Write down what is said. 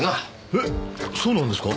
えっそうなんですか？